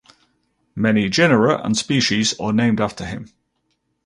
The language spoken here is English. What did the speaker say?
Many genera and species are named after him.